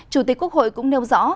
chủ tịch quốc hội cũng nêu rõ